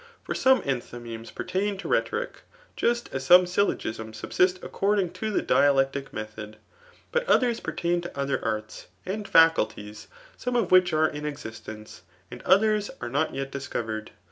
For some enthy memes pertain to rhetoric, just as some syllogisms sobsfet acconfing to the dialectic method; but others pertain to other arts and faculties, some of which are in existence, and others are not' yet discovered.